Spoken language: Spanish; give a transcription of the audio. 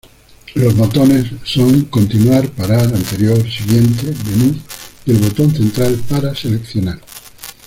Los botones son: continuar-parar, anterior, siguiente, menú y el botón central para seleccionar.